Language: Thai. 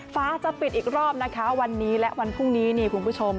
ฟ้าจะปิดอีกรอบนะคะวันนี้และวันพรุ่งนี้นี่คุณผู้ชม